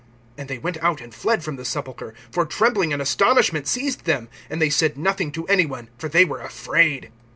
(8)And they went out, and fled from the sepulchre; for trembling and astonishment seized them. And they said nothing to any one; for they were afraid.